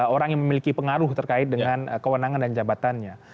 orang yang memiliki pengaruh terkait dengan kewenangan dan jabatannya